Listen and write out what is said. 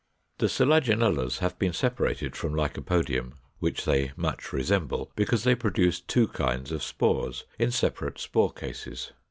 493. The Selaginellas have been separated from Lycopodium, which they much resemble, because they produce two kinds of spores, in separate spore cases.